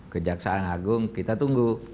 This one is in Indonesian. kejaksaan agung kita tunggu